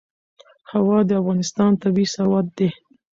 هوا د افغانستان طبعي ثروت دی.